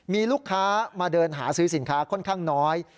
มีลูกค้ามาเดินหาซื้อสินค้าค่อนข้างน้อย